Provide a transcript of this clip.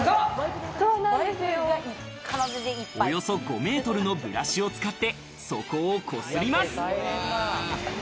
およそ５ｍのブラシを使って、そこを擦ります。